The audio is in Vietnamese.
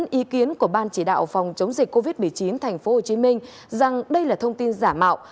bài viết đã dẫn ý kiến của ban chỉ đạo phòng chống dịch covid một mươi chín tp hcm rằng đây là thông tin giả mạo